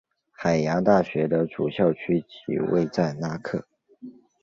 海牙大学的主校区即位在拉克。